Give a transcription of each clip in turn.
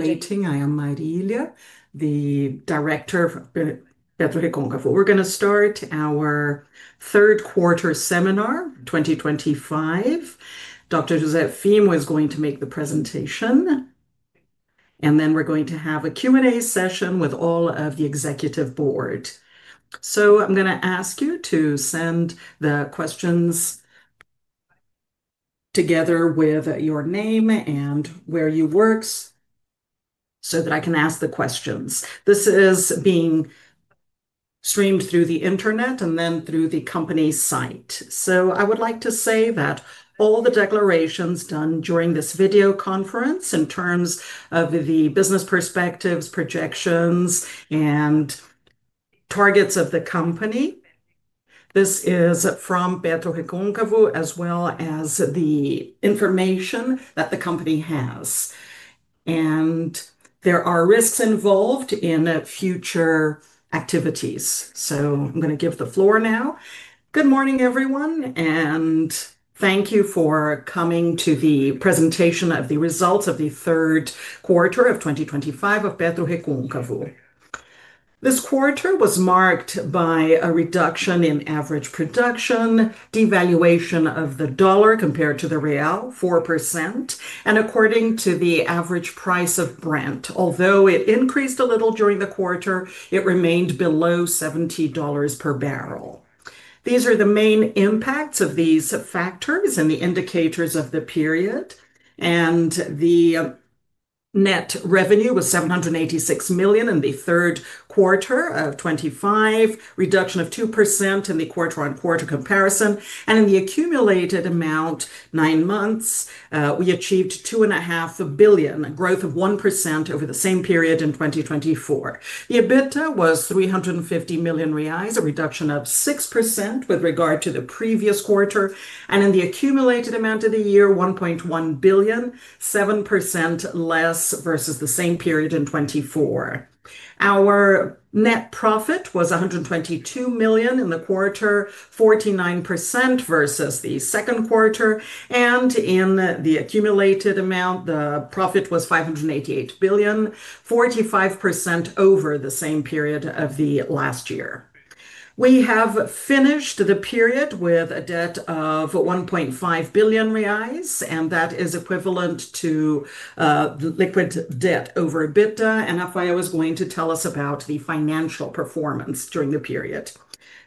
Greeting. I am Marília, the Director of PetroReconcavo. We're going to start our third quarter seminar, 2025. Dr. José Firmo was going to make the presentation, and then we're going to have a Q&A session with all of the executive board. I am going to ask you to send the questions together with your name and where you work so that I can ask the questions. This is being streamed through the internet and then through the company site. I would like to say that all the declarations done during this video conference in terms of the business perspectives, projections, and targets of the company, this is from PetroReconcavo as well as the information that the company has. There are risks involved in future activities. I am going to give the floor now. Good morning, everyone, and thank you for coming to the presentation of the results of the third quarter of 2025 of PetroReconcavo. This quarter was marked by a reduction in average production, devaluation of the dollar compared to the real, 4%, and according to the average price of Brent. Although it increased a little during the quarter, it remained below $70 per barrel. These are the main impacts of these factors and the indicators of the period. The net revenue was $786 million in the third quarter of 2025, reduction of 2% in the quarter-on-quarter comparison. In the accumulated amount, nine months, we achieved $2.5 billion, a growth of 1% over the same period in 2024. The EBITDA was $350 million, a reduction of 6% with regard to the previous quarter. In the accumulated amount of the year, $1.1 billion, 7% less versus the same period in 2024. Our net profit was $122 million in the quarter, 49% versus the second quarter. In the accumulated amount, the profit was $588 million, 45% over the same period of the last year. We have finished the period with a debt of $1.5 billion, and that is equivalent to liquid debt over EBITDA. FYI, I was going to tell us about the financial performance during the period.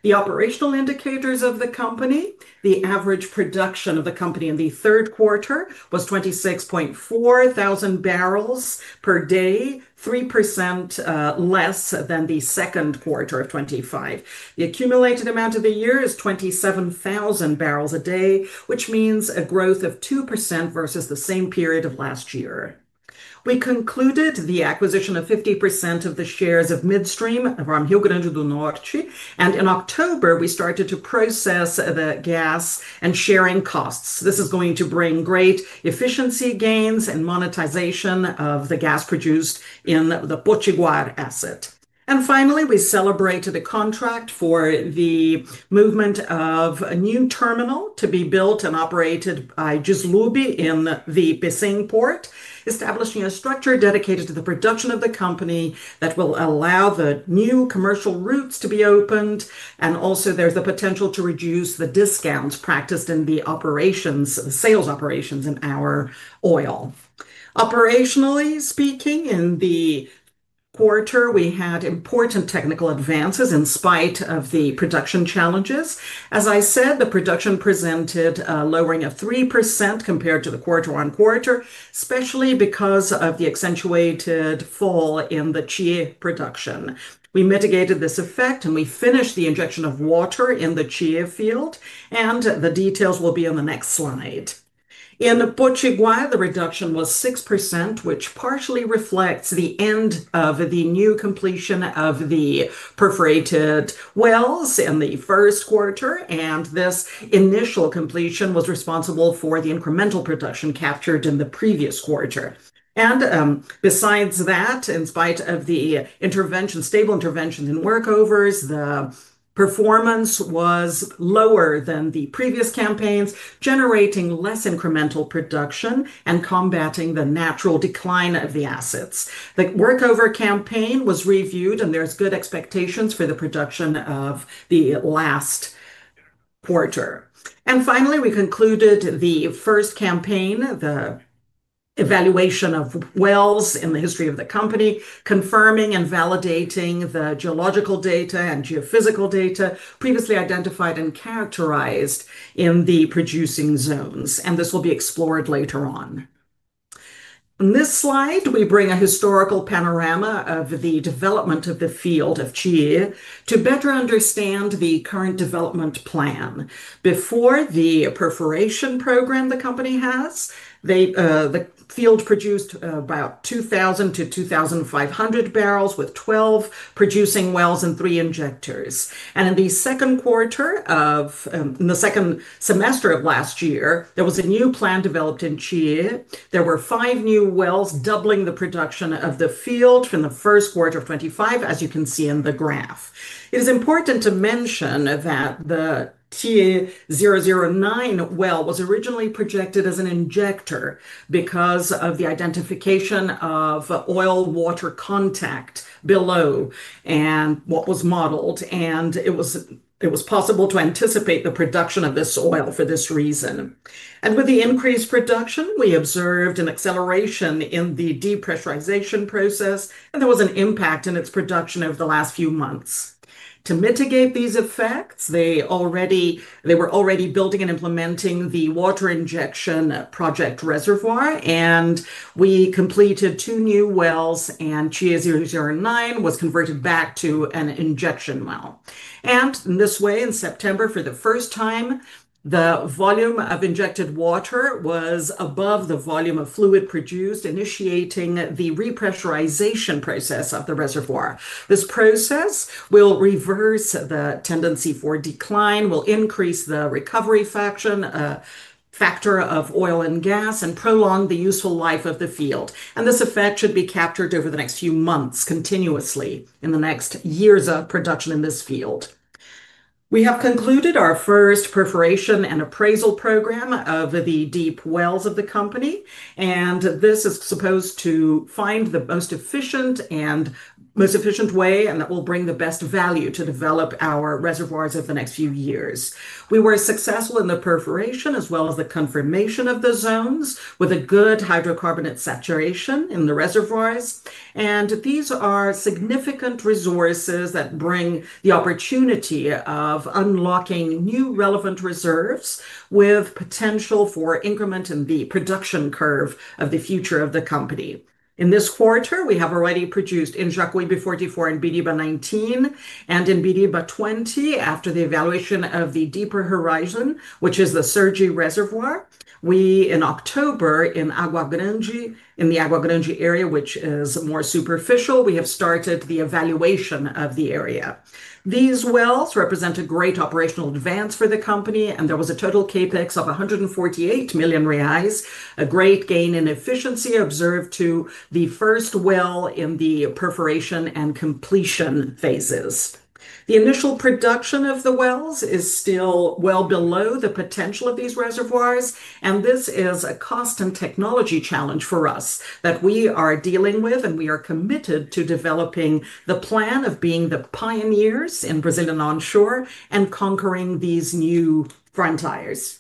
The operational indicators of the company, the average production of the company in the third quarter was 26,400 barrels per day, 3% less than the second quarter of 2025. The accumulated amount of the year is 27,000 barrels a day, which means a growth of 2% versus the same period of last year. We concluded the acquisition of 50% of the shares of Midstream from Rio Grande do Norte. In October, we started to process the gas and sharing costs. This is going to bring great efficiency gains and monetization of the gas produced in the Potiguar asset. Finally, we celebrated a contract for the movement of a new terminal to be built and operated by Gislube in the Pecém port, establishing a structure dedicated to the production of the company that will allow the new commercial routes to be opened. Also, there is the potential to reduce the discounts practiced in the sales operations in our oil. Operationally speaking, in the quarter, we had important technical advances in spite of the production challenges. As I said, the production presented a lowering of 3% compared to the quarter-on-quarter, especially because of the accentuated fall in the Chié production. We mitigated this effect, and we finished the injection of water in the Chié field. The details will be on the next slide. In Potiguar, the reduction was 6%, which partially reflects the end of the new completion of the perforated wells in the first quarter. This initial completion was responsible for the incremental production captured in the previous quarter. Besides that, in spite of the intervention, stable intervention in workovers, the performance was lower than the previous campaigns, generating less incremental production and combating the natural decline of the assets. The workover campaign was reviewed, and there are good expectations for the production of the last quarter. Finally, we concluded the first campaign, the evaluation of wells in the history of the company, confirming and validating the geological data and geophysical data previously identified and characterized in the producing zones. This will be explored later on. On this slide, we bring a historical panorama of the development of the field of Chié to better understand the current development plan. Before the perforation program the company has, the field produced about 2,000-2,500 barrels with 12 producing wells and three injectors. In the second quarter of the second semester of last year, there was a new plan developed in Chié. There were five new wells, doubling the production of the field from the first quarter of 2025, as you can see in the graph. It is important to mention that the T009 well was originally projected as an injector because of the identification of oil-water contact below and what was modeled. It was possible to anticipate the production of this oil for this reason. With the increased production, we observed an acceleration in the depressurization process, and there was an impact in its production over the last few months. To mitigate these effects, they were already building and implementing the water injection project reservoir, and we completed two new wells, and Chié 009 was converted back to an injection well. In this way, in September, for the first time, the volume of injected water was above the volume of fluid produced, initiating the repressurization process of the reservoir. This process will reverse the tendency for decline, will increase the recovery factor of oil and gas, and prolong the useful life of the field. This effect should be captured over the next few months continuously in the next years of production in this field. We have concluded our first perforation and appraisal program of the deep wells of the company. This is supposed to find the most efficient way and that will bring the best value to develop our reservoirs over the next few years. We were successful in the perforation as well as the confirmation of the zones with a good hydrocarbon saturation in the reservoirs. These are significant resources that bring the opportunity of unlocking new relevant reserves with potential for increment in the production curve of the future of the company. In this quarter, we have already produced in Jacuípe 44 and Biribá 19. In Biribá 20, after the evaluation of the deeper horizon, which is the Sergi reservoir, in October in the Água Grande area, which is more superficial, we have started the evaluation of the area. These wells represent a great operational advance for the company, and there was a total CapEx of $148 million, a great gain in efficiency observed to the first well in the perforation and completion phases. The initial production of the wells is still well below the potential of these reservoirs, and this is a cost and technology challenge for us that we are dealing with, and we are committed to developing the plan of being the pioneers in Brazilian onshore and conquering these new frontiers.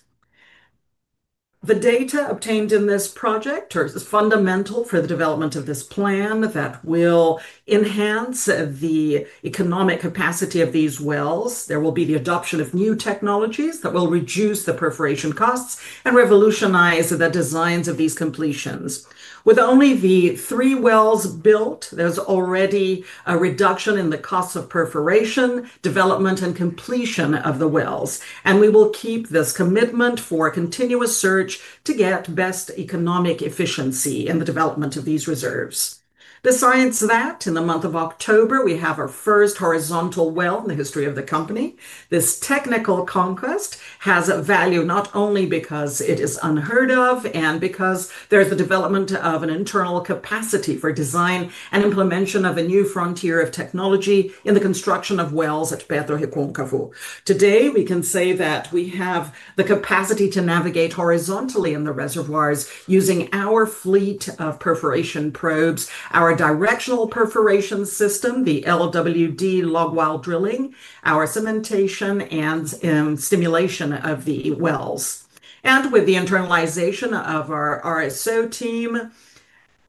The data obtained in this project is fundamental for the development of this plan that will enhance the economic capacity of these wells. There will be the adoption of new technologies that will reduce the perforation costs and revolutionize the designs of these completions. With only the three wells built, there's already a reduction in the costs of perforation, development, and completion of the wells. We will keep this commitment for continuous search to get best economic efficiency in the development of these reserves. Besides that, in the month of October, we have our first horizontal well in the history of the company. This technical conquest has value not only because it is unheard of and because there is the development of an internal capacity for design and implementation of a new frontier of technology in the construction of wells at PetroReconcavo. Today, we can say that we have the capacity to navigate horizontally in the reservoirs using our fleet of perforation probes, our directional perforation system, the LWD log well drilling, our cementation, and stimulation of the wells. With the internalization of our RSO team,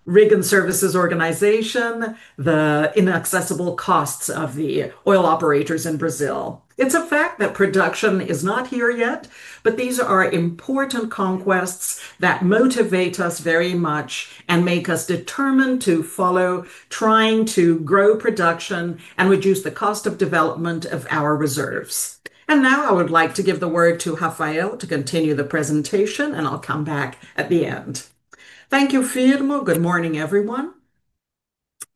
Rig and Services Organization, the inaccessible costs of the oil operators in Brazil. It's a fact that production is not here yet, but these are important conquests that motivate us very much and make us determined to follow, trying to grow production and reduce the cost of development of our reserves. I would like to give the word to Rafael to continue the presentation, and I'll come back at the end. Thank you, Firmo. Good morning, everyone.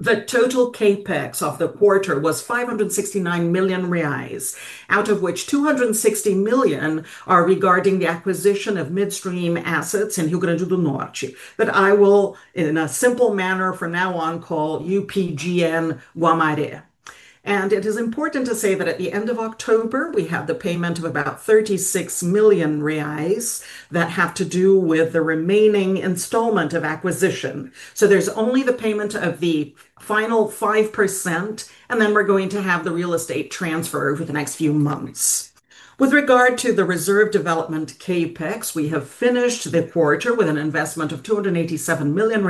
The total CapEx of the quarter was $569 million, out of which $260 million are regarding the acquisition of midstream assets in Rio Grande do Norte that I will, in a simple manner from now on, call UPGN Guamaré. It is important to say that at the end of October, we have the payment of about $36 million that have to do with the remaining installment of acquisition. There is only the payment of the final 5%, and then we are going to have the real estate transfer over the next few months. With regard to the reserve development CapEx, we have finished the quarter with an investment of $287 million,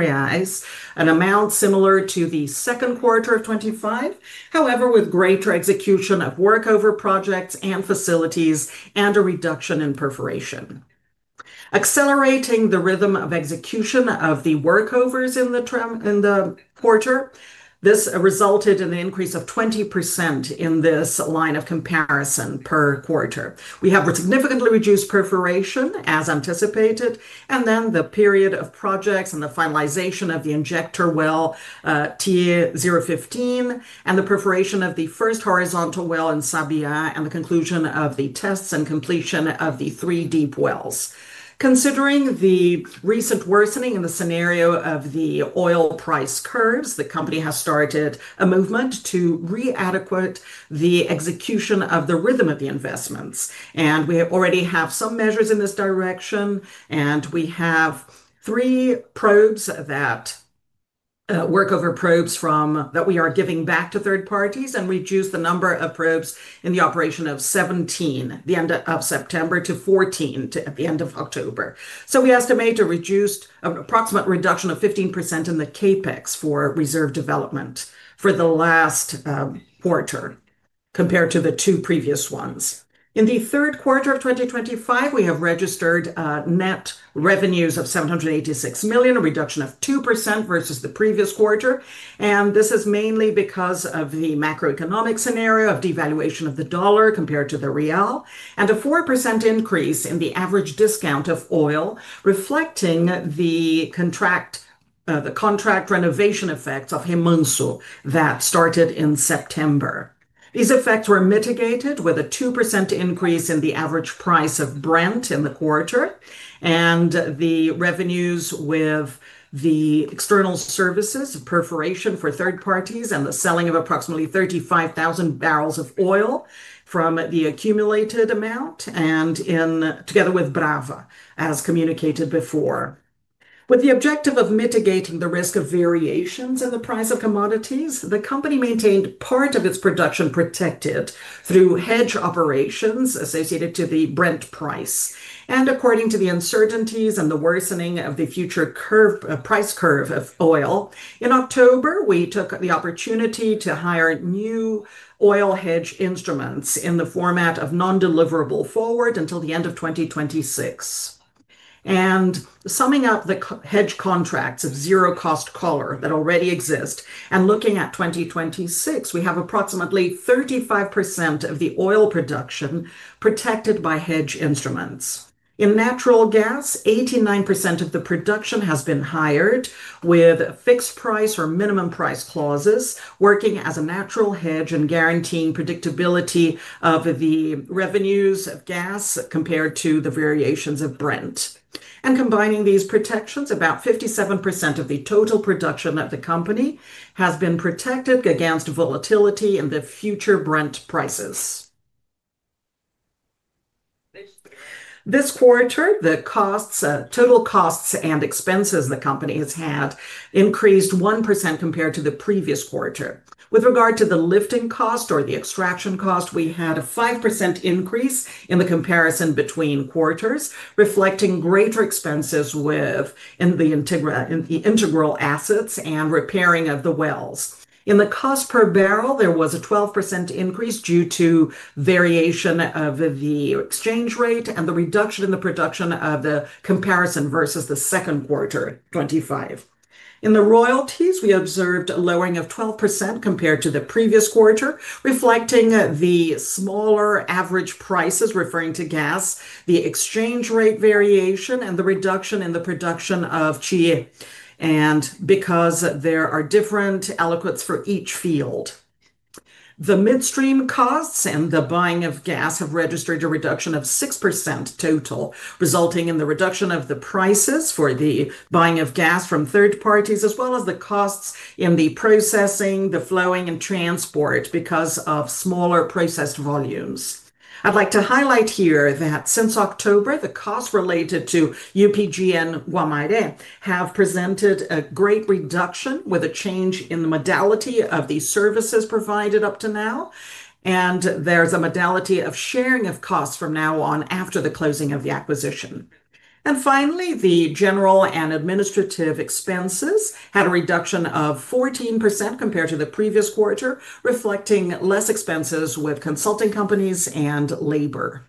an amount similar to the second quarter of 2025, however, with greater execution of workover projects and facilities and a reduction in perforation. Accelerating the rhythm of execution of the workovers in the quarter, this resulted in an increase of 20% in this line of comparison per quarter. We have significantly reduced perforation, as anticipated, and then the period of projects and the finalization of the injector well, T015, and the perforation of the first horizontal well in Sabiá, and the conclusion of the tests and completion of the three deep wells. Considering the recent worsening in the scenario of the oil price curves, the company has started a movement to re-adequate the execution of the rhythm of the investments. We already have some measures in this direction, and we have three workover probes that we are giving back to third parties, and we have reduced the number of probes in the operation from 17 at the end of September to 14 at the end of October. We estimate a reduced, approximate reduction of 15% in the CapEx for reserve development for the last quarter compared to the two previous ones. In the third quarter of 2025, we have registered net revenues of $786 million, a reduction of 2% versus the previous quarter. This is mainly because of the macroeconomic scenario of devaluation of the dollar compared to the real, and a 4% increase in the average discount of oil, reflecting the contract renovation effects of Remanso that started in September. These effects were mitigated with a 2% increase in the average price of Brent in the quarter, and the revenues with the external services, perforation for third parties, and the selling of approximately 35,000 barrels of oil from the accumulated amount, together with Brava, as communicated before. With the objective of mitigating the risk of variations in the price of commodities, the company maintained part of its production protected through hedge operations associated to the Brent price. According to the uncertainties and the worsening of the future price curve of oil, in October, we took the opportunity to hire new oil hedge instruments in the format of non-deliverable forward until the end of 2026. Summing up the hedge contracts of zero-cost collar that already exist, and looking at 2026, we have approximately 35% of the oil production protected by hedge instruments. In natural gas, 89% of the production has been hired with fixed price or minimum price clauses working as a natural hedge and guaranteeing predictability of the revenues of gas compared to the variations of Brent. Combining these protections, about 57% of the total production of the company has been protected against volatility in the future Brent prices. This quarter, the total costs and expenses the company has had increased 1% compared to the previous quarter. With regard to the lifting cost or the extraction cost, we had a 5% increase in the comparison between quarters, reflecting greater expenses with the integral assets and repairing of the wells. In the cost per barrel, there was a 12% increase due to variation of the exchange rate and the reduction in the production of the comparison versus the second quarter, 2025. In the royalties, we observed a lowering of 12% compared to the previous quarter, reflecting the smaller average prices referring to gas, the exchange rate variation, and the reduction in the production of Chié. Because there are different aliquots for each field, the midstream costs and the buying of gas have registered a reduction of 6% total, resulting in the reduction of the prices for the buying of gas from third parties, as well as the costs in the processing, the flowing, and transport because of smaller processed volumes. I'd like to highlight here that since October, the costs related to UPGN Guamaré have presented a great reduction with a change in the modality of the services provided up to now, and there's a modality of sharing of costs from now on after the closing of the acquisition. Finally, the general and administrative expenses had a reduction of 14% compared to the previous quarter, reflecting less expenses with consulting companies and labor.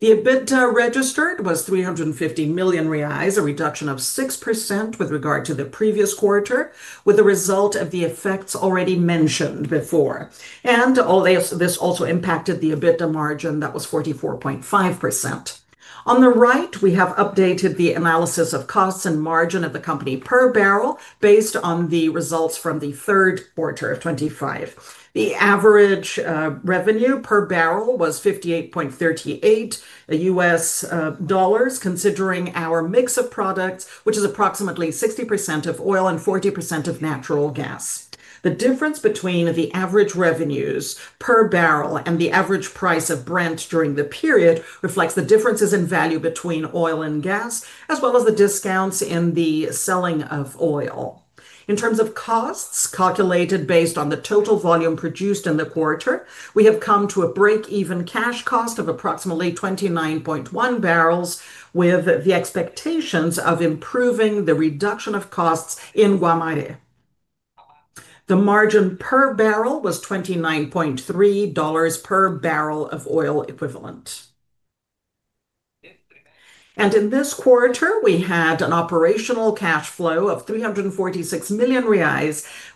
The EBITDA registered was $350 million, a reduction of 6% with regard to the previous quarter, with the result of the effects already mentioned before. This also impacted the EBITDA margin that was 44.5%. On the right, we have updated the analysis of costs and margin of the company per barrel based on the results from the third quarter of 2025. The average revenue per barrel was $58.38 US dollars, considering our mix of products, which is approximately 60% of oil and 40% of natural gas. The difference between the average revenues per barrel and the average price of Brent during the period reflects the differences in value between oil and gas, as well as the discounts in the selling of oil. In terms of costs calculated based on the total volume produced in the quarter, we have come to a break-even cash cost of approximately $29.1 per barrel, with the expectations of improving the reduction of costs in Guamaré. The margin per barrel was $29.3 per barrel of oil equivalent. In this quarter, we had an operational cash flow of $346 million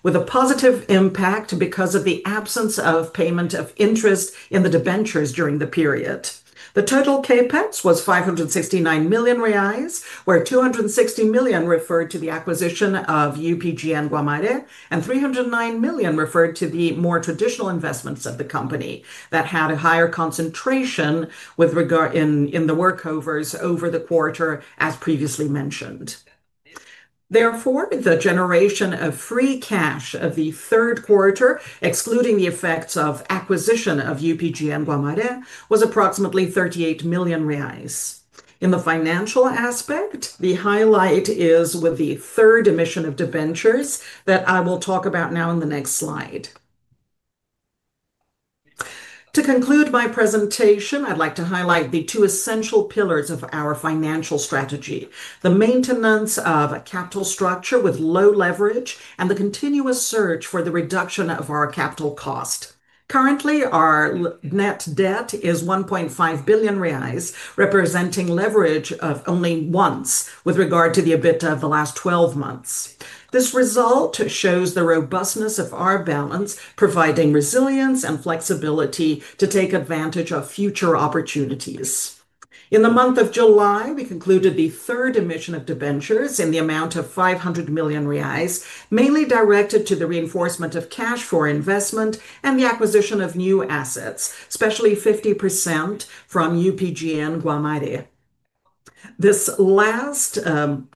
with a positive impact because of the absence of payment of interest in the debentures during the period. The total CapEx was $569 million, where $260 million referred to the acquisition of UPGN Guamaré, and $309 million referred to the more traditional investments of the company that had a higher concentration with regard to the workovers over the quarter, as previously mentioned. Therefore, the generation of free cash of the third quarter, excluding the effects of acquisition of UPGN Guamaré, was approximately $38 million. In the financial aspect, the highlight is with the third emission of debentures that I will talk about now in the next slide. To conclude my presentation, I'd like to highlight the two essential pillars of our financial strategy: the maintenance of a capital structure with low leverage and the continuous search for the reduction of our capital cost. Currently, our net debt is $1.5 billion, representing leverage of only 1x with regard to the EBITDA of the last 12 months. This result shows the robustness of our balance, providing resilience and flexibility to take advantage of future opportunities. In the month of July, we concluded the third emission of debentures in the amount of $500 million, mainly directed to the reinforcement of cash for investment and the acquisition of new assets, especially 50% from UPGN Guamaré. This last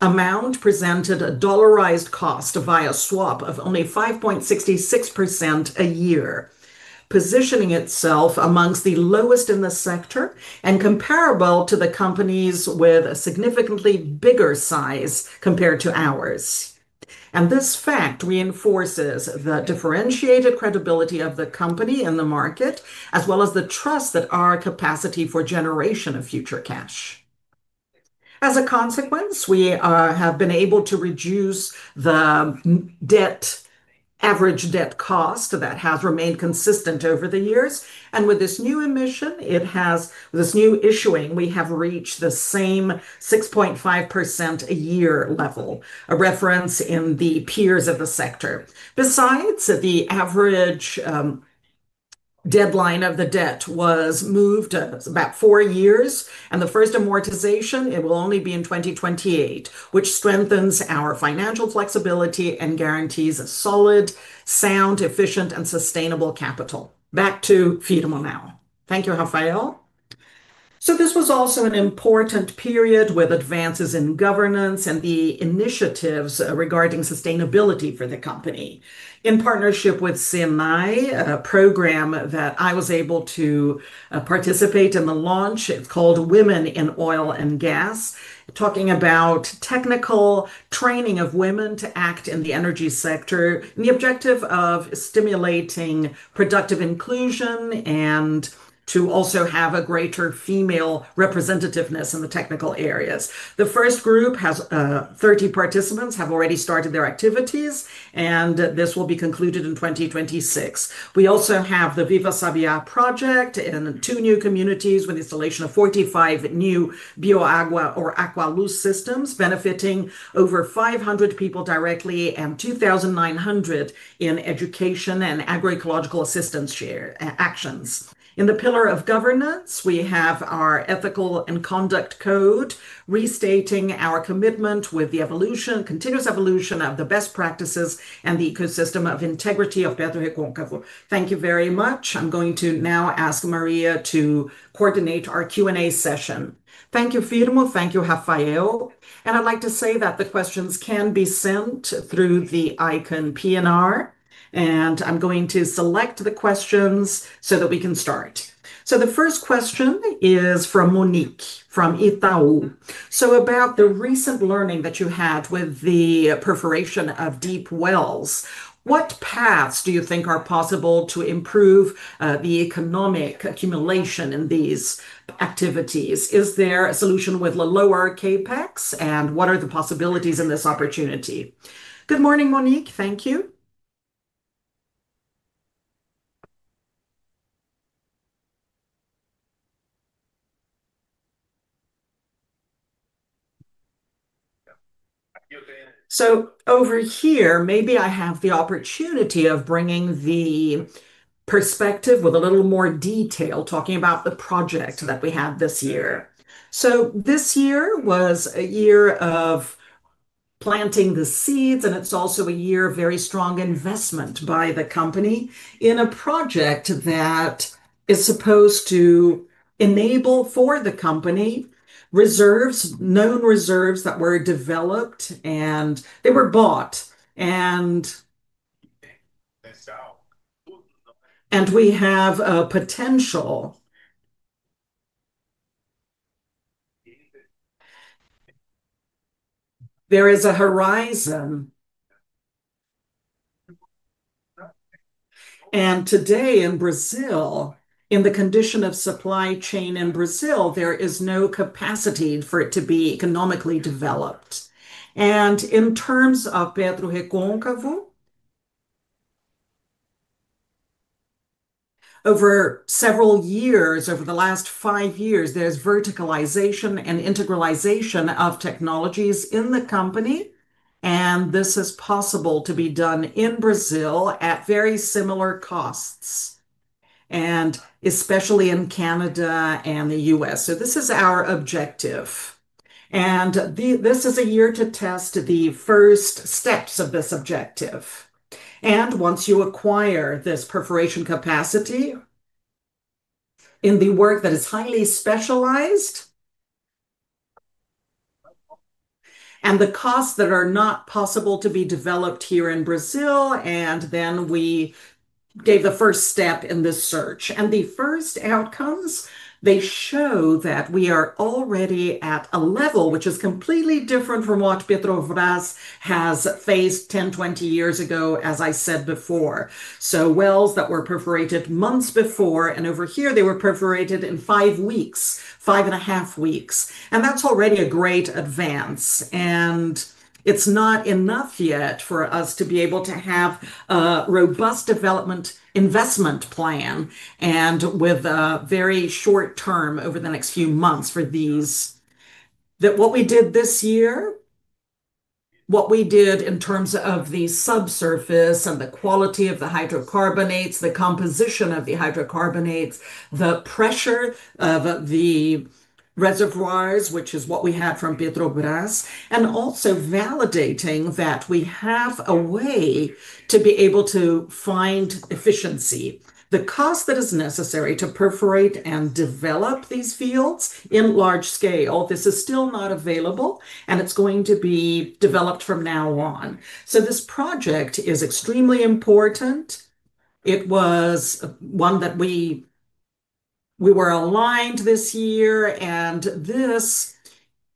amount presented a dollarized cost via swap of only 5.66% a year, positioning itself amongst the lowest in the sector and comparable to the companies with a significantly bigger size compared to ours. This fact reinforces the differentiated credibility of the company in the market, as well as the trust that our capacity for generation of future cash. As a consequence, we have been able to reduce the average debt cost that has remained consistent over the years. With this new emission, this new issuing, we have reached the same 6.5% a year level, a reference in the peers of the sector. Besides, the average deadline of the debt was moved about four years, and the first amortization, it will only be in 2028, which strengthens our financial flexibility and guarantees a solid, sound, efficient, and sustainable capital. Back to Firmo now. Thank you, Rafael. This was also an important period with advances in governance and the initiatives regarding sustainability for the company. In partnership with CNI, a program that I was able to participate in the launch, it's called Women in Oil and Gas, talking about technical training of women to act in the energy sector, and the objective of stimulating productive inclusion and to also have a greater female representativeness in the technical areas. The first group has 30 participants who have already started their activities, and this will be concluded in 2026. We also have the Viva Sabiá project in two new communities with the installation of 45 new bioagua or aqualuz systems, benefiting over 500 people directly and 2,900 in education and agroecological assistance actions. In the pillar of governance, we have our ethical and conduct code, restating our commitment with the continuous evolution of the best practices and the ecosystem of integrity of PetroReconcavo. Thank you very much. I'm going to now ask Marilla to coordinate our Q&A session. Thank you, Firmo. Thank you, Rafael. I'd like to say that the questions can be sent through the ICON P&R, and I'm going to select the questions so that we can start. The first question is from Monique from Itaú. About the recent learning that you had with the perforation of deep wells, what paths do you think are possible to improve the economic accumulation in these activities? Is there a solution with lower CapEx, and what are the possibilities in this opportunity? Good morning, Monique. Thank you. Over here, maybe I have the opportunity of bringing the perspective with a little more detail, talking about the project that we had this year. This year was a year of planting the seeds, and it is also a year of very strong investment by the company in a project that is supposed to enable for the company known reserves that were developed, and they were bought. We have a potential. There is a horizon. Today in Brazil, in the condition of supply chain in Brazil, there is no capacity for it to be economically developed. In terms of PetroReconcavo, over several years, over the last five years, there is verticalization and integralization of technologies in the company, and this is possible to be done in Brazil at very similar costs, and especially in Canada and the US. This is our objective. This is a year to test the first steps of this objective. Once you acquire this perforation capacity in the work that is highly specialized and the costs that are not possible to be developed here in Brazil, we gave the first step in this search. The first outcomes show that we are already at a level which is completely different from what PetroReconcavo has faced 10, 20 years ago, as I said before. Wells that were perforated months before, over here, they were perforated in five weeks, five and a half weeks. That is already a great advance. It is not enough yet for us to be able to have a robust development investment plan with a very short term over the next few months for these. That what we did this year, what we did in terms of the subsurface and the quality of the hydrocarbons, the composition of the hydrocarbons, the pressure of the reservoirs, which is what we had from Pedro Braz, and also validating that we have a way to be able to find efficiency. The cost that is necessary to perforate and develop these fields in large scale, this is still not available, and it's going to be developed from now on. This project is extremely important. It was one that we were aligned this year, and this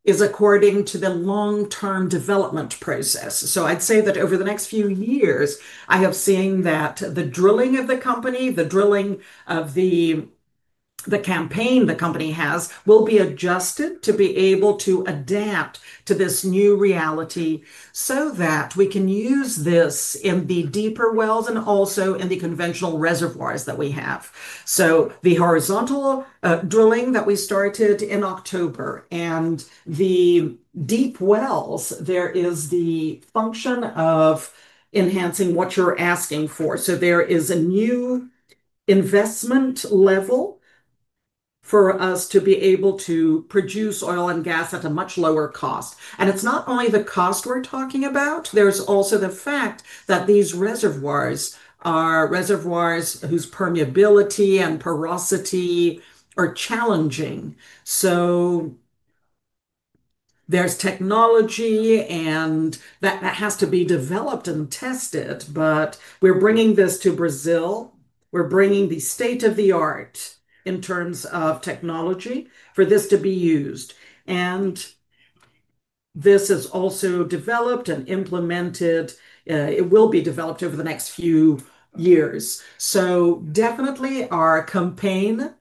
is according to the long-term development process. I'd say that over the next few years, I have seen that the drilling of the company, the drilling of the campaign the company has, will be adjusted to be able to adapt to this new reality so that we can use this in the deeper wells and also in the conventional reservoirs that we have. The horizontal drilling that we started in October and the deep wells, there is the function of enhancing what you're asking for. There is a new investment level for us to be able to produce oil and gas at a much lower cost. It's not only the cost we're talking about, there's also the fact that these reservoirs are reservoirs whose permeability and porosity are challenging. There's technology, and that has to be developed and tested, but we're bringing this to Brazil. We're bringing the state of the art in terms of technology for this to be used. This is also developed and implemented. It will be developed over the next few years. Definitely our campaign,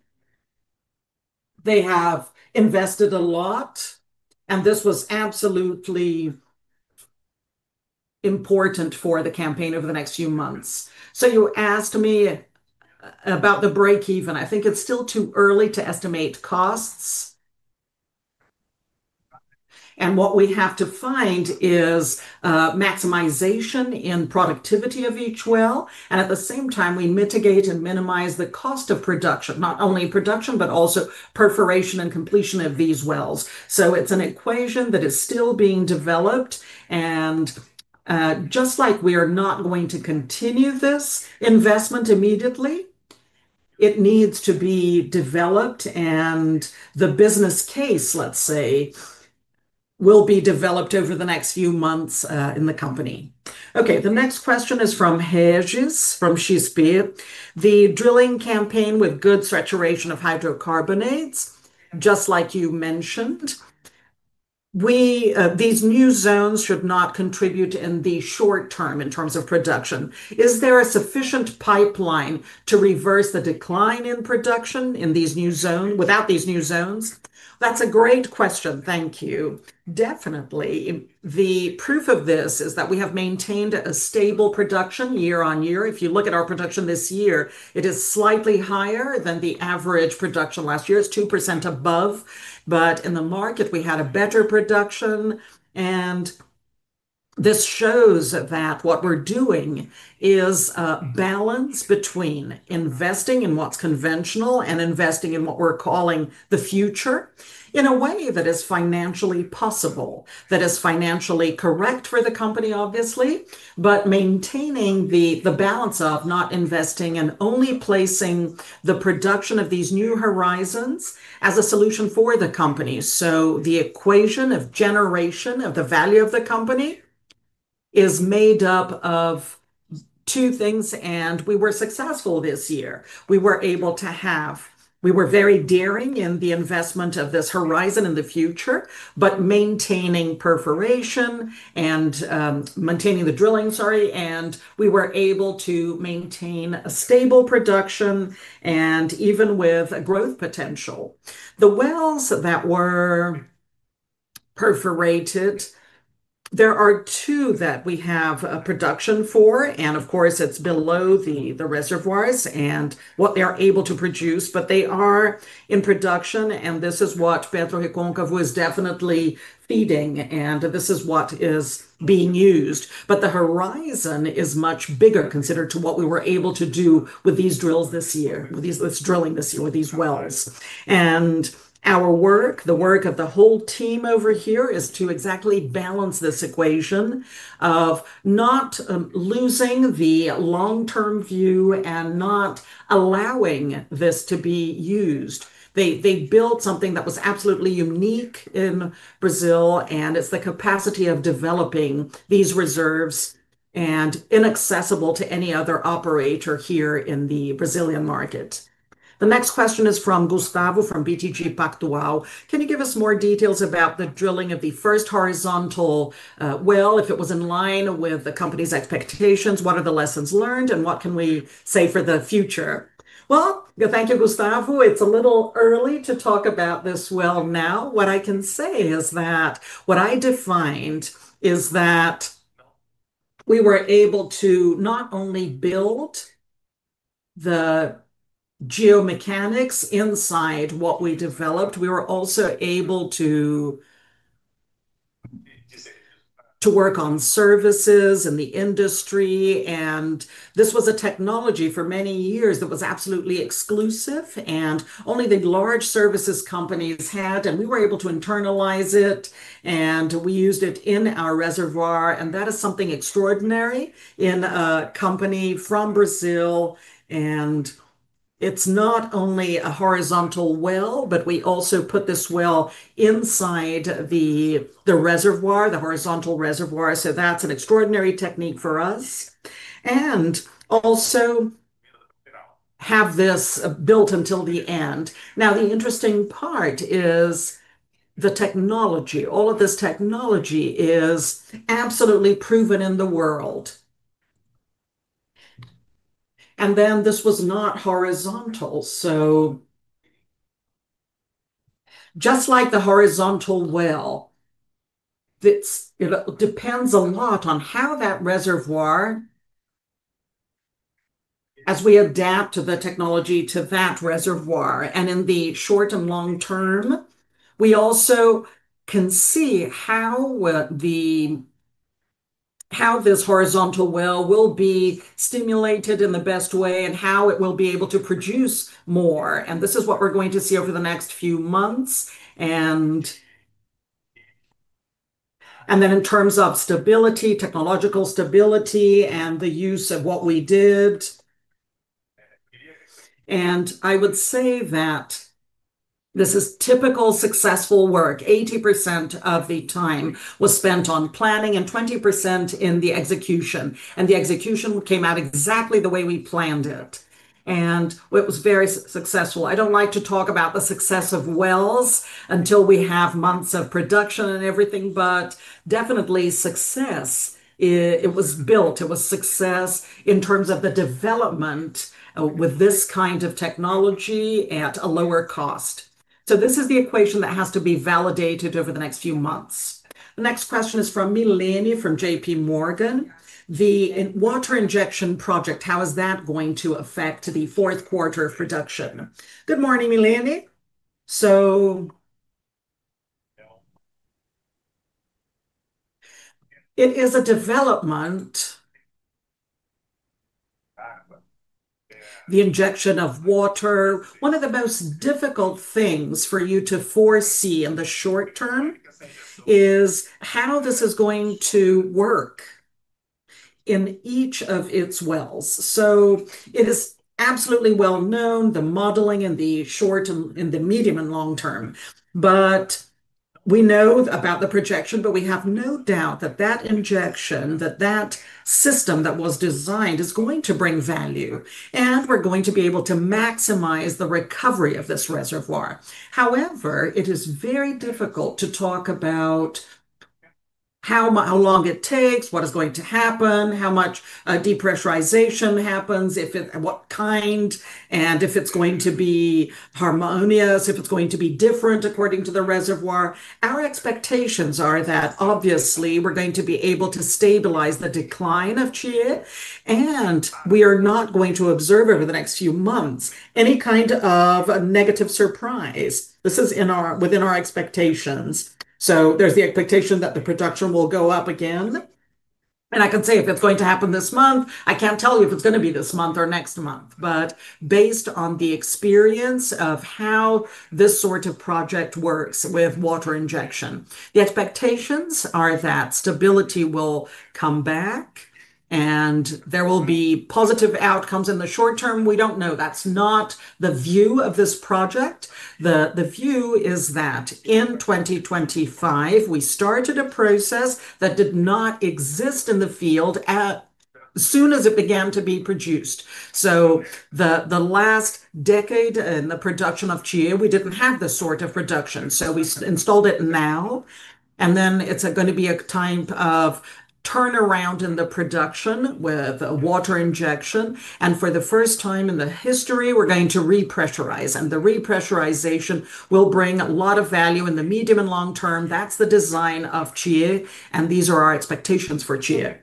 they have invested a lot, and this was absolutely important for the campaign over the next few months. You asked me about the break-even. I think it's still too early to estimate costs. What we have to find is maximization in productivity of each well. At the same time, we mitigate and minimize the cost of production, not only production, but also perforation and completion of these wells. It's an equation that is still being developed. Just like we are not going to continue this investment immediately, it needs to be developed, and the business case, let's say, will be developed over the next few months in the company. Okay, the next question is from Regis from XP Investimentos. The drilling campaign with good saturation of hydrocarbons, just like you mentioned, these new zones should not contribute in the short term in terms of production. Is there a sufficient pipeline to reverse the decline in production in these new zones without these new zones? That's a great question. Thank you. Definitely. The proof of this is that we have maintained a stable production year on year. If you look at our production this year, it is slightly higher than the average production last year. It's 2% above, but in the market, we had a better production. This shows that what we're doing is a balance between investing in what's conventional and investing in what we're calling the future in a way that is financially possible, that is financially correct for the company, obviously, but maintaining the balance of not investing and only placing the production of these new horizons as a solution for the company. The equation of generation of the value of the company is made up of two things, and we were successful this year. We were able to have, we were very daring in the investment of this horizon in the future, but maintaining perforation and maintaining the drilling, sorry, and we were able to maintain a stable production and even with growth potential. The wells that were perforated, there are two that we have a production for, and of course, it's below the reservoirs and what they are able to produce, but they are in production, and this is what PetroReconcavo is definitely feeding, and this is what is being used. The horizon is much bigger considered to what we were able to do with these drills this year, with this drilling this year with these wells. Our work, the work of the whole team over here, is to exactly balance this equation of not losing the long-term view and not allowing this to be used. They built something that was absolutely unique in Brazil, and it's the capacity of developing these reserves and inaccessible to any other operator here in the Brazilian market. The next question is from Gustavo from BTG Pactual. Can you give us more details about the drilling of the first horizontal well? If it was in line with the company's expectations, what are the lessons learned, and what can we say for the future? Thank you, Gustavo. It's a little early to talk about this well now. What I can say is that what I defined is that we were able to not only build the geomechanics inside what we developed, we were also able to work on services in the industry. This was a technology for many years that was absolutely exclusive, and only the large services companies had, and we were able to internalize it, and we used it in our reservoir. That is something extraordinary in a company from Brazil. It's not only a horizontal well, but we also put this well inside the reservoir, the horizontal reservoir. That's an extraordinary technique for us. We also have this built until the end. The interesting part is the technology. All of this technology is absolutely proven in the world. This was not horizontal. Just like the horizontal well, it depends a lot on how that reservoir, as we adapt the technology to that reservoir. In the short and long term, we also can see how this horizontal well will be stimulated in the best way and how it will be able to produce more. This is what we're going to see over the next few months. In terms of stability, technological stability, and the use of what we did, I would say that this is typical successful work. 80% of the time was spent on planning and 20% in the execution. The execution came out exactly the way we planned it. It was very successful. I do not like to talk about the success of wells until we have months of production and everything, but definitely success. It was built. It was success in terms of the development with this kind of technology at a lower cost. This is the equation that has to be validated over the next few months. The next question is from Mileni from JPMorgan. The water injection project, how is that going to affect the fourth quarter of production? Good morning, Mileni. It is a development. The injection of water, one of the most difficult things for you to foresee in the short term is how this is going to work in each of its wells.It is absolutely well known, the modeling in the short and the medium and long term. We know about the projection, but we have no doubt that that injection, that that system that was designed is going to bring value, and we're going to be able to maximize the recovery of this reservoir. However, it is very difficult to talk about how long it takes, what is going to happen, how much depressurization happens, what kind, and if it's going to be harmonious, if it's going to be different according to the reservoir. Our expectations are that obviously we're going to be able to stabilize the decline of Chié, and we are not going to observe over the next few months any kind of negative surprise. This is within our expectations. There is the expectation that the production will go up again. I can say if it's going to happen this month, I can't tell you if it's going to be this month or next month, but based on the experience of how this sort of project works with water injection, the expectations are that stability will come back and there will be positive outcomes in the short term. We don't know. That's not the view of this project. The view is that in 2025, we started a process that did not exist in the field as soon as it began to be produced. The last decade in the production of Chié, we didn't have this sort of production. We installed it now, and then it's going to be a time of turnaround in the production with water injection. For the first time in the history, we're going to repressurize. The repressurization will bring a lot of value in the medium and long term. That is the design of Chié, and these are our expectations for Chié.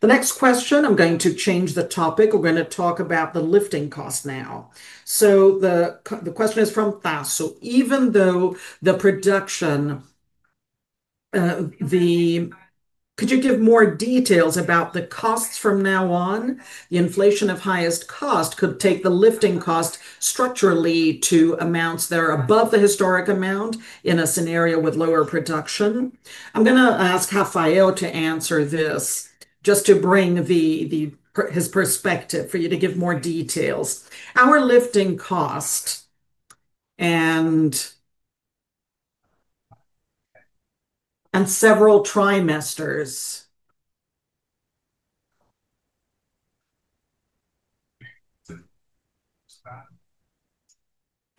The next question, I am going to change the topic. We are going to talk about the lifting cost now. The question is from Thasso. Even though the production, could you give more details about the costs from now on? The inflation of highest cost could take the lifting cost structurally to amounts that are above the historic amount in a scenario with lower production. I am going to ask Rafael to answer this just to bring his perspective for you to give more details. Our lifting cost and several trimesters.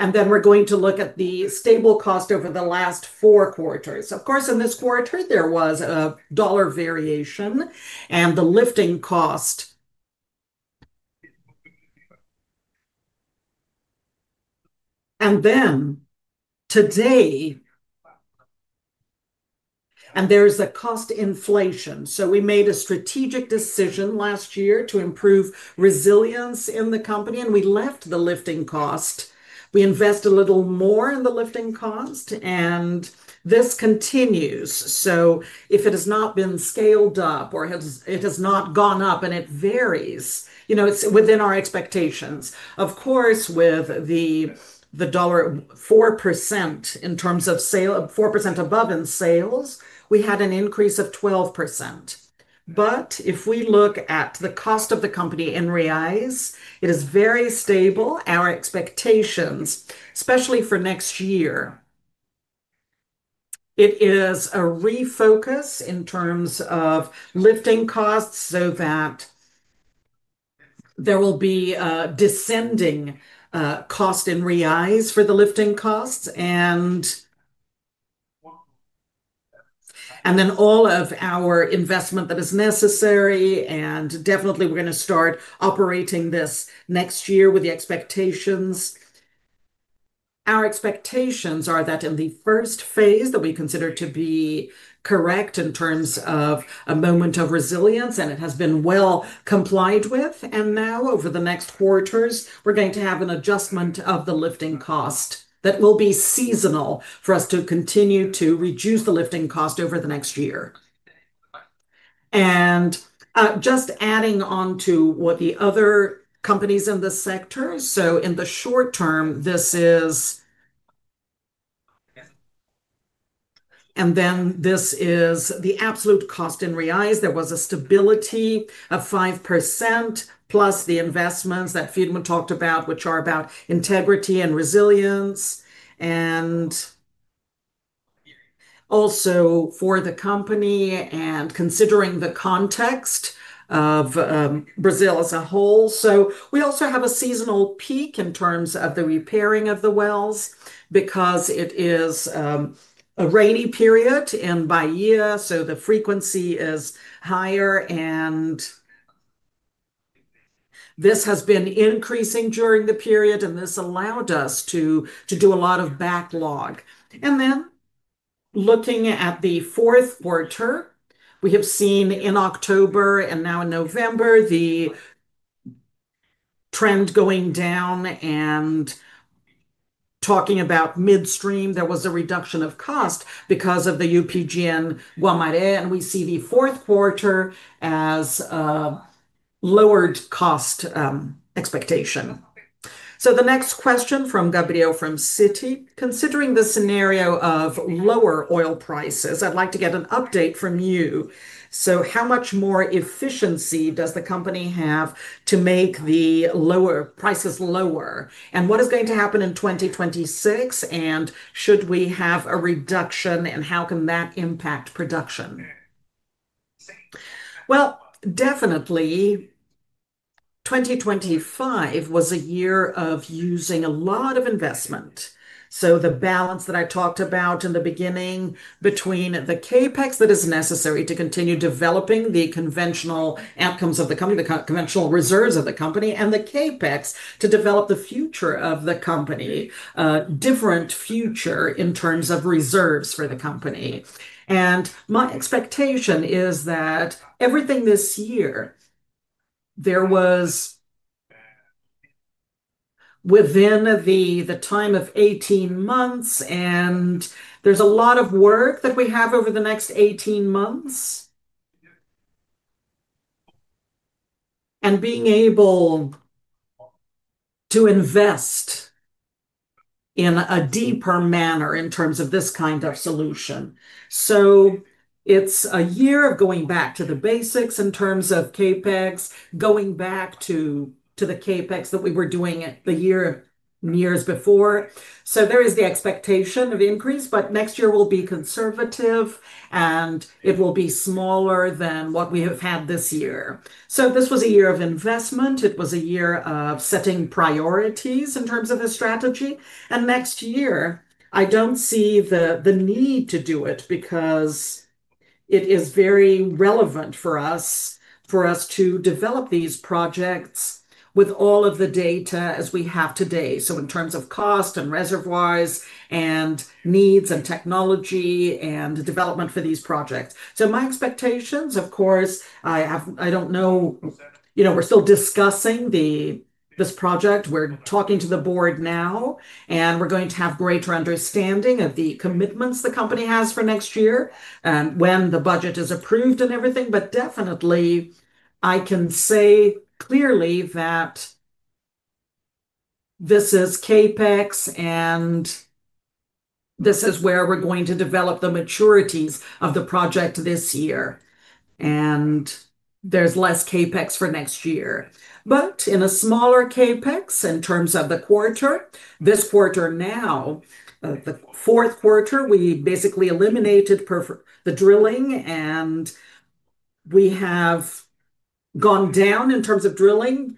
Then we are going to look at the stable cost over the last four quarters. Of course, in this quarter, there was a dollar variation and the lifting cost. Today, and there's a cost inflation. We made a strategic decision last year to improve resilience in the company, and we left the lifting cost. We invest a little more in the lifting cost, and this continues. If it has not been scaled up or it has not gone up and it varies, it's within our expectations. Of course, with the dollar 4% in terms of sale, 4% above in sales, we had an increase of 12%. If we look at the cost of the company in BRL, it is very stable. Our expectations, especially for next year, it is a refocus in terms of lifting costs so that there will be a descending cost in BRL for the lifting costs. All of our investment that is necessary. Definitely, we're going to start operating this next year with the expectations. Our expectations are that in the first phase that we consider to be correct in terms of a moment of resilience, and it has been well complied with. Now, over the next quarters, we're going to have an adjustment of the lifting cost that will be seasonal for us to continue to reduce the lifting cost over the next year. Just adding on to what the other companies in the sector, in the short term, this is, and then this is the absolute cost in BRL. There was a stability of 5% plus the investments that Firmo talked about, which are about integrity and resilience, and also for the company and considering the context of Brazil as a whole. We also have a seasonal peak in terms of the repairing of the wells because it is a rainy period in Bahia, so the frequency is higher, and this has been increasing during the period, and this allowed us to do a lot of backlog. Looking at the fourth quarter, we have seen in October and now in November, the trend going down. Talking about midstream, there was a reduction of cost because of the UPGN Guamaré, and we see the fourth quarter as a lowered cost expectation. The next question from Gabriel from Citi, considering the scenario of lower oil prices, I'd like to get an update from you. How much more efficiency does the company have to make the lower prices lower? What is going to happen in 2026? Should we have a reduction, how can that impact production? Definitely, 2025 was a year of using a lot of investment. The balance that I talked about in the beginning between the CapEx that is necessary to continue developing the conventional outcomes of the company, the conventional reserves of the company, and the CapEx to develop the future of the company, different future in terms of reserves for the company. My expectation is that everything this year, there was within the time of 18 months, and there is a lot of work that we have over the next 18 months and being able to invest in a deeper manner in terms of this kind of solution. It is a year of going back to the basics in terms of CapEx, going back to the CapEx that we were doing the years before. There is the expectation of increase, but next year will be conservative, and it will be smaller than what we have had this year. This was a year of investment. It was a year of setting priorities in terms of the strategy. Next year, I do not see the need to do it because it is very relevant for us to develop these projects with all of the data as we have today, in terms of cost and reservoirs and needs and technology and development for these projects. My expectations, of course, I do not know. We are still discussing this project. We are talking to the board now, and we are going to have greater understanding of the commitments the company has for next year and when the budget is approved and everything. I can say clearly that this is Capex, and this is where we're going to develop the maturities of the project this year. There's less Capex for next year. In a smaller Capex in terms of the quarter, this quarter now, the fourth quarter, we basically eliminated the drilling, and we have gone down in terms of drilling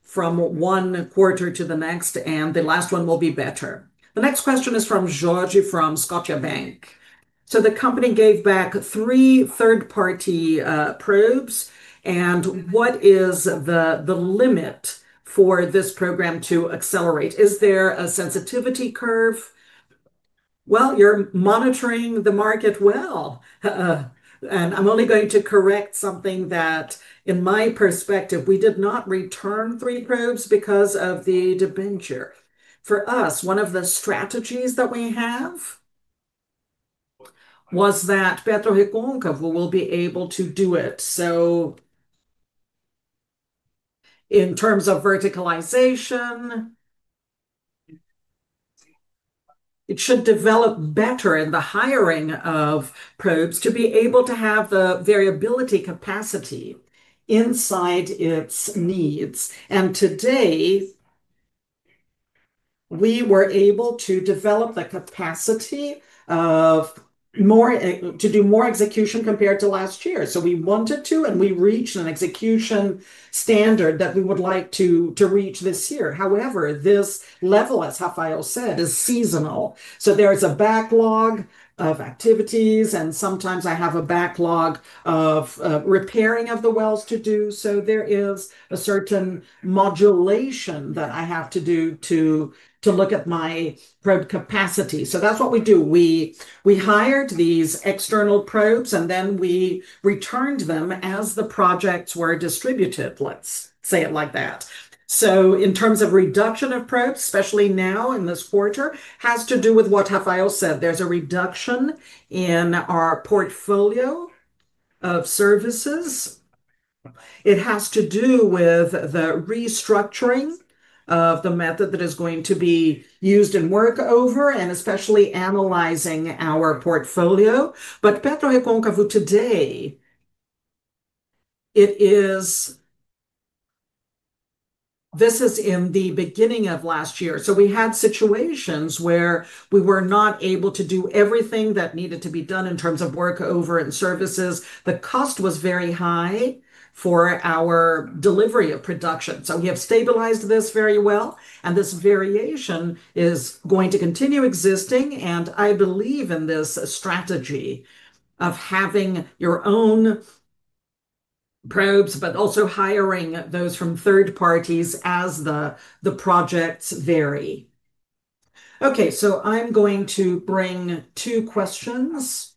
from one quarter to the next, and the last one will be better. The next question is from Georgie from Scotiabank. The company gave back three third-party probes. What is the limit for this program to accelerate? Is there a sensitivity curve? You're monitoring the market well. I'm only going to correct something that, in my perspective, we did not return three probes because of the debenture. For us, one of the strategies that we have was that PetroReconcavo will be able to do it. In terms of verticalization, it should develop better in the hiring of probes to be able to have the variability capacity inside its needs. Today, we were able to develop the capacity to do more execution compared to last year. We wanted to, and we reached an execution standard that we would like to reach this year. However, this level, as Jaffeo said, is seasonal. There is a backlog of activities, and sometimes I have a backlog of repairing of the wells to do. There is a certain modulation that I have to do to look at my probe capacity. That is what we do. We hired these external probes, and then we returned them as the projects were distributed, let's say it like that. In terms of reduction of probes, especially now in this quarter, it has to do with what Jaffeo said. There is a reduction in our portfolio of services. It has to do with the restructuring of the method that is going to be used in workover and especially analyzing our portfolio. PetroReconcavo today, this is in the beginning of last year. We had situations where we were not able to do everything that needed to be done in terms of workover and services. The cost was very high for our delivery of production. We have stabilized this very well, and this variation is going to continue existing. I believe in this strategy of having your own probes, but also hiring those from third parties as the projects vary. Okay, I am going to bring two questions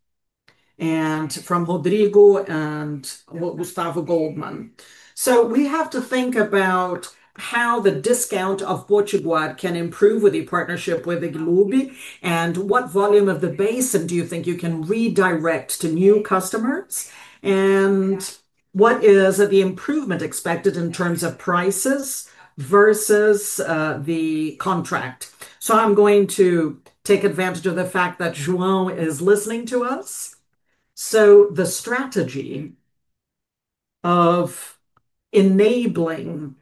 from Rodrigo and Gustavo Goldman. We have to think about how the discount of Potiguar can improve with the partnership with Gislube, and what volume of the basin do you think you can redirect to new customers, and what is the improvement expected in terms of prices versus the contract. I'm going to take advantage of the fact that João is listening to us. The strategy of enabling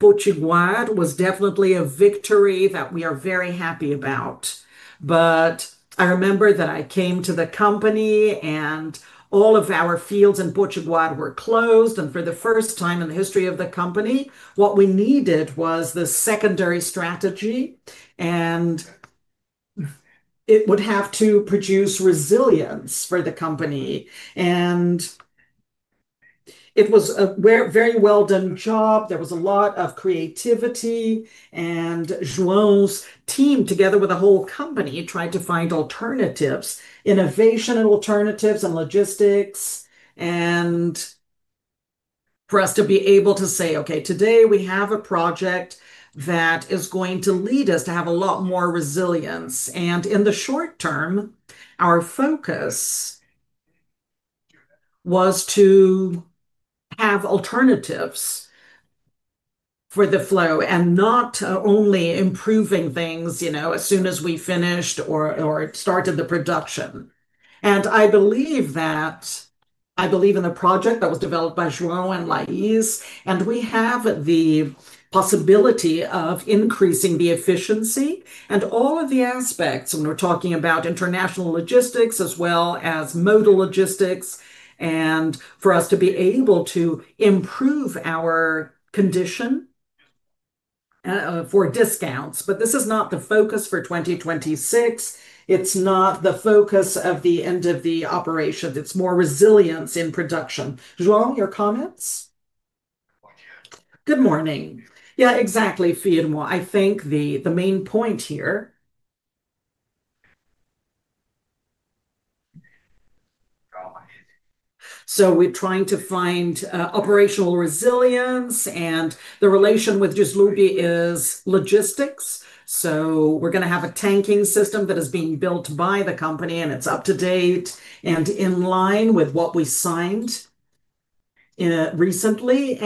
Potiguar was definitely a victory that we are very happy about. I remember that I came to the company, and all of our fields in Potiguar were closed. For the first time in the history of the company, what we needed was the secondary strategy, and it would have to produce resilience for the company. It was a very well-done job. There was a lot of creativity, and João's team, together with the whole company, tried to find alternatives, innovation and alternatives in logistics, for us to be able to say, "Okay, today we have a project that is going to lead us to have a lot more resilience." In the short term, our focus was to have alternatives for the flow and not only improving things as soon as we finished or started the production. I believe in the project that was developed by João and Laís, and we have the possibility of increasing the efficiency and all of the aspects when we're talking about international logistics as well as modal logistics, for us to be able to improve our condition for discounts. This is not the focus for 2026. It's not the focus of the end of the operation. It's more resilience in production. João, your comments? Good morning. Yeah, exactly, Firmo. I think the main point here. So we're trying to find operational resilience, and the relation with Gislube is logistics. So we're going to have a tanking system that is being built by the company, and it's up to date and in line with what we signed recently.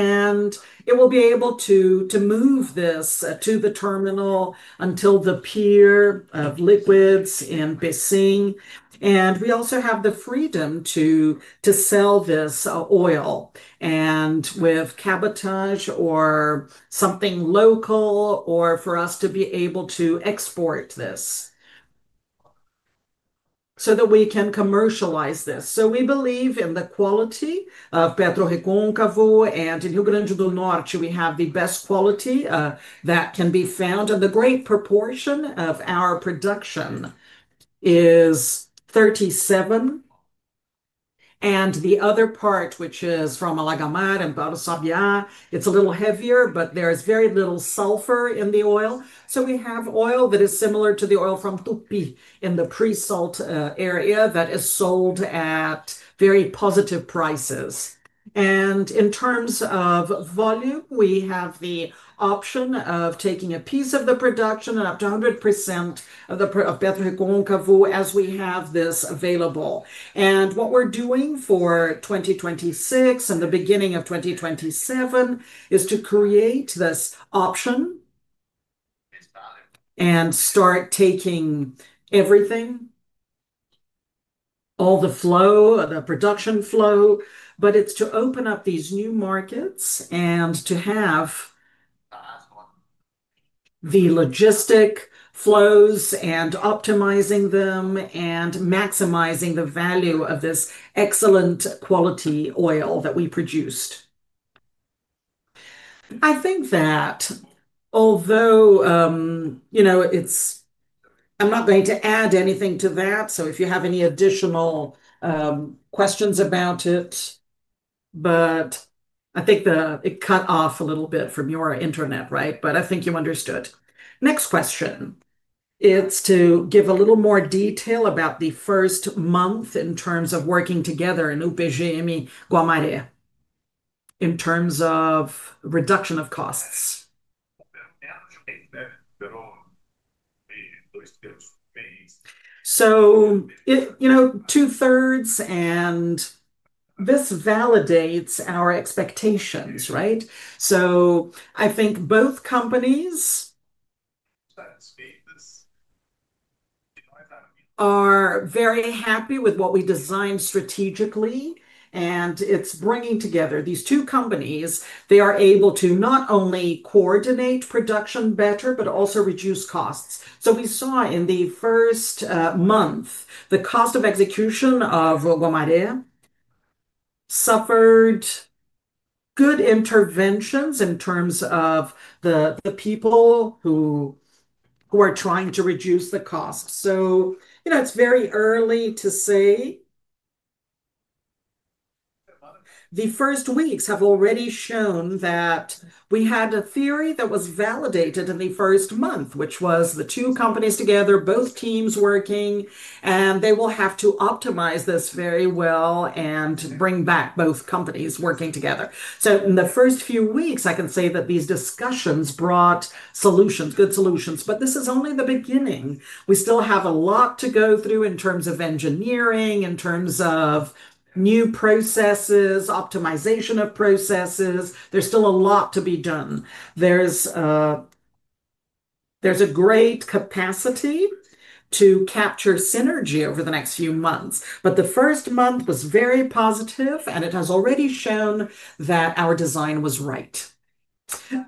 It will be able to move this to the terminal until the pier of liquids in Pecém. We also have the freedom to sell this oil and with cabotage or something local or for us to be able to export this so that we can commercialize this. We believe in the quality of PetroReconcavo and in Rio Grande do Norte, we have the best quality that can be found. The great proportion of our production is 37. The other part, which is from Alagamar and Baru Sabiá, is a little heavier, but there is very little sulfur in the oil. We have oil that is similar to the oil from Tupi in the pre-salt area that is sold at very positive prices. In terms of volume, we have the option of taking a piece of the production and up to 100% of PetroReconcavo as we have this available. What we are doing for 2026 and the beginning of 2027 is to create this option and start taking everything, all the flow, the production flow. It is to open up these new markets and to have the logistic flows and optimize them and maximize the value of this excellent quality oil that we produce. I think that although I'm not going to add anything to that, if you have any additional questions about it, I think it cut off a little bit from your internet, right? I think you understood. Next question. It's to give a little more detail about the first month in terms of working together in UPGN Guamaré in terms of reduction of costs. Two-thirds, and this validates our expectations, right? I think both companies are very happy with what we designed strategically, and it's bringing together these two companies. They are able to not only coordinate production better, but also reduce costs. We saw in the first month, the cost of execution of Guamaré suffered good interventions in terms of the people who are trying to reduce the cost. It's very early to say. The first weeks have already shown that we had a theory that was validated in the first month, which was the two companies together, both teams working, and they will have to optimize this very well and bring back both companies working together. In the first few weeks, I can say that these discussions brought solutions, good solutions, but this is only the beginning. We still have a lot to go through in terms of engineering, in terms of new processes, optimization of processes. There's still a lot to be done. There's a great capacity to capture synergy over the next few months. The first month was very positive, and it has already shown that our design was right.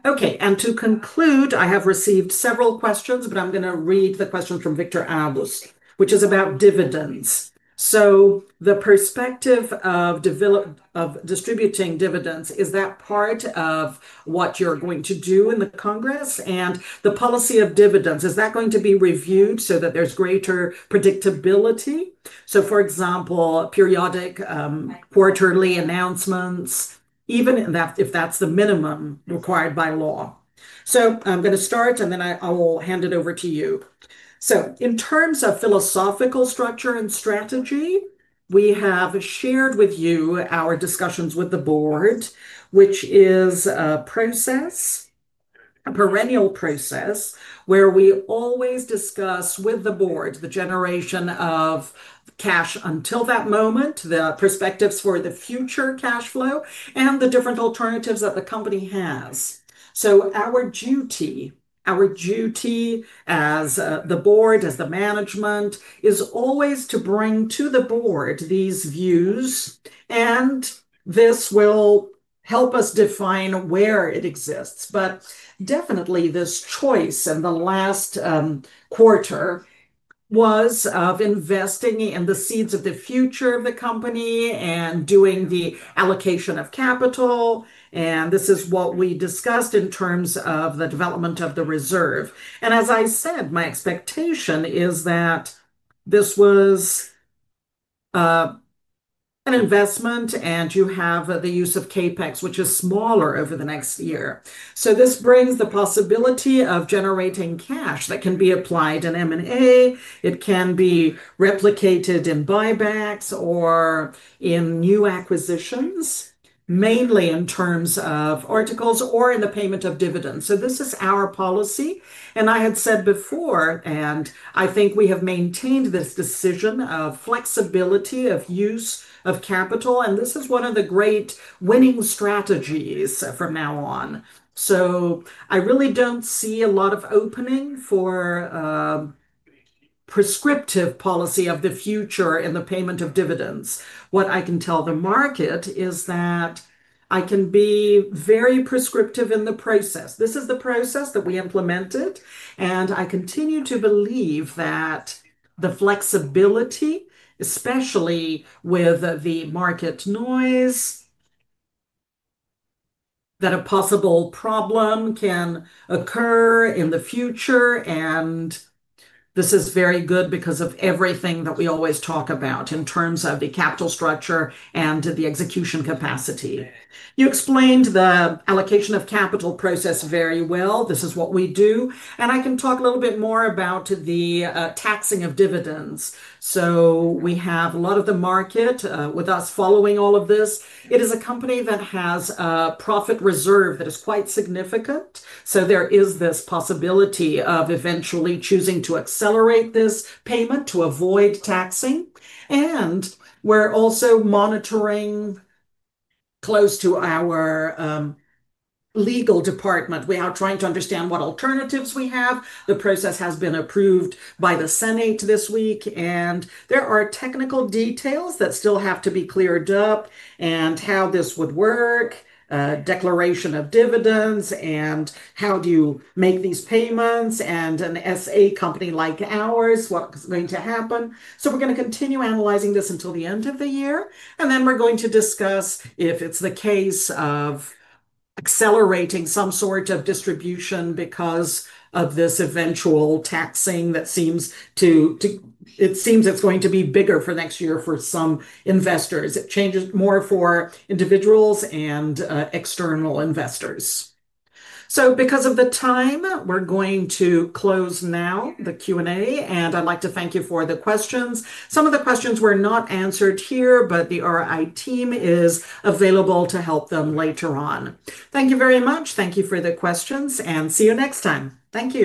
Okay. To conclude, I have received several questions, but I'm going to read the question from Victor Alvos, which is about dividends. The perspective of distributing dividends, is that part of what you're going to do in the Congress? The policy of dividends, is that going to be reviewed so that there's greater predictability? For example, periodic quarterly announcements, even if that's the minimum required by law. I'm going to start, and then I will hand it over to you. In terms of philosophical structure and strategy, we have shared with you our discussions with the board, which is a perennial process where we always discuss with the board the generation of cash until that moment, the perspectives for the future cash flow, and the different alternatives that the company has. Our duty as the board, as the management, is always to bring to the board these views, and this will help us define where it exists. Definitely, this choice in the last quarter was of investing in the seeds of the future of the company and doing the allocation of capital. This is what we discussed in terms of the development of the reserve. As I said, my expectation is that this was an investment, and you have the use of CapEx, which is smaller over the next year. This brings the possibility of generating cash that can be applied in M&A. It can be replicated in buybacks or in new acquisitions, mainly in terms of articles or in the payment of dividends. This is our policy. I had said before, and I think we have maintained this decision of flexibility of use of capital, and this is one of the great winning strategies from now on. I really do not see a lot of opening for prescriptive policy of the future in the payment of dividends. What I can tell the market is that I can be very prescriptive in the process. This is the process that we implemented, and I continue to believe that the flexibility, especially with the market noise, that a possible problem can occur in the future. This is very good because of everything that we always talk about in terms of the capital structure and the execution capacity. You explained the allocation of capital process very well. This is what we do. I can talk a little bit more about the taxing of dividends. We have a lot of the market with us following all of this. It is a company that has a profit reserve that is quite significant. There is this possibility of eventually choosing to accelerate this payment to avoid taxing. We are also monitoring closely with our legal department. We are trying to understand what alternatives we have. The process has been approved by the Senate this week, and there are technical details that still have to be cleared up on how this would work, declaration of dividends, and how you make these payments, and in an SA company like ours, what's going to happen. We are going to continue analyzing this until the end of the year. We are going to discuss if it's the case of accelerating some sort of distribution because of this eventual taxing that seems to—it seems it's going to be bigger for next year for some investors. It changes more for individuals and external investors. Because of the time, we're going to close now the Q&A, and I'd like to thank you for the questions. Some of the questions were not answered here, but the RI team is available to help them later on. Thank you very much. Thank you for the questions, and see you next time. Thank you.